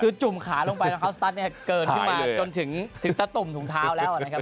คือจุ่มขาลงไปรองเท้าสตัสเนี่ยเกินขึ้นมาจนถึงตะตุ่มถุงเท้าแล้วนะครับ